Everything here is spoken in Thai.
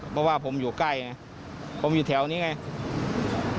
เพราะว่าผมอยู่ใกล้ไงผมอยู่แถวนี้ไง